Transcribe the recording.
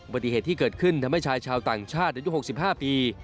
ปฏิเหตุที่เกิดขึ้นทำให้ชายชาวต่างชาติอายุ๖๕ปี